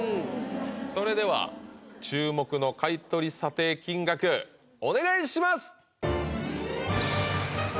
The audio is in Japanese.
それでは注目の買取査定金額お願いします！